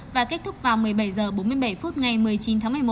và kết thúc vào một mươi bảy h bốn mươi bảy